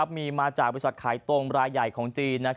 มีมาจากบริษัทขายตรงรายใหญ่ของจีน